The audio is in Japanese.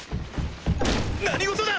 何事だ！？